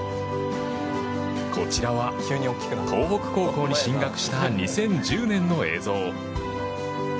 こちらは、東北高校に進学した２０１０年の映像。